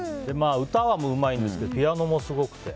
歌はうまいんですけどピアノもすごくて。